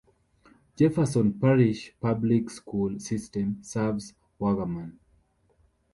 Jefferson Parish Public School System serves Waggaman.